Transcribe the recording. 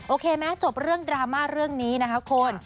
โอเคไหมจบเรื่องดราม่าเรื่องนี้นะคะคุณ